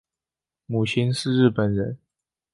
母亲是日本人。